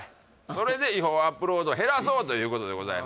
それで違法アップロード減らそうということでございます